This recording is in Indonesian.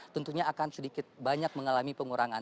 tentunya akan sedikit banyak mengalami pengurangan